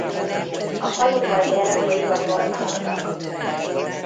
A falutól délre folyik a Torna-patak.